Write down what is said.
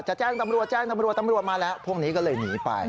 จะแจ้งตำรวจมาแล้วพวกนี้ก็เลยหนีไป